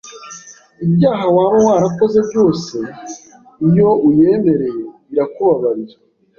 ibyaha waba warakoze byose iyo uyemereye irakubabarira.